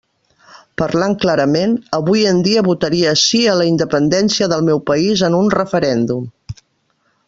Parlant clarament avui en dia votaria sí a la independència del meu país en un referèndum.